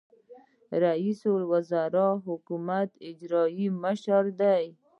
رئیس الوزرا د حکومت اجرائیوي مشر دی